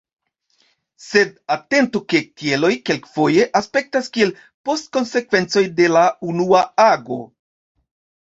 Sed atentu ke tieloj kelkfoje aspektas kiel postkonsekvencoj de la unua ago.